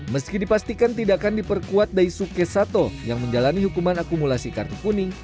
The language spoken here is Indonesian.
meski dipastikan tidak akan diperkuat daisuke sato yang menjalani hukuman akumulasi kartu kuning